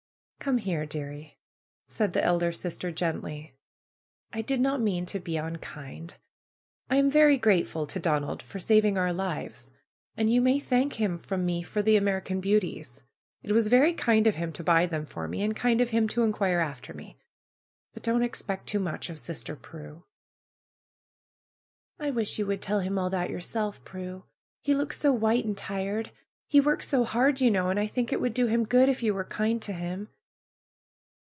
^^Come here, dearie!" said the elder sister gently. did not mean to be unkind. I am very grateful to Donald for saving our lives, and you may thank him from me for the American Beauties. It was very kind of him to buy them for me, and kind of him to inquire after me. But don't expect too much of Sister Prue." wish you would tell him all that yourself, Prue. He looks so white and tired. He works so hard you know. And I think it would do him good if you were kind to him."